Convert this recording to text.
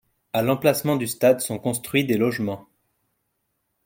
À l'emplacement du stade sont construits des logements.